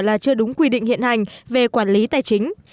là chưa đúng quy định hiện hành về quản lý tài chính